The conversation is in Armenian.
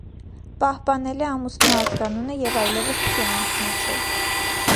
Պահպանել է ամուսնու ազգանունը և այլևս չի ամուսնացել։